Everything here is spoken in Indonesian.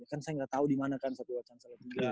ya kan saya gak tau dimana kan satyawacana salah tiga